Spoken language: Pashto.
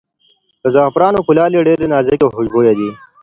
د زعفرانو کلالې ډېرې نازکې او خوشبویه دي.